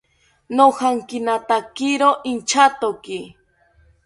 Nojankinatakiro inchatoki